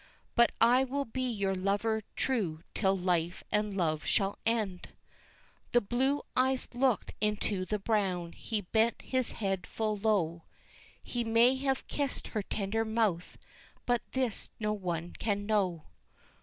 But I will be your lover true till life and love shall end," The blue eyes looked into the brown, he bent his head full low, He may have kissed her tender mouth but this no one can know.